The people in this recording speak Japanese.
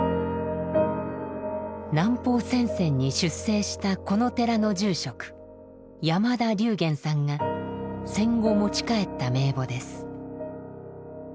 南方戦線に出征したこの寺の住職・山田隆元さんが戦後持ち帰った名簿です。